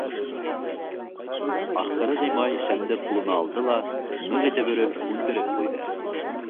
Арҡыры Ғимай шәмде ҡулына алды ла ныҡ итеп өрөп һүндереп ҡуйҙы.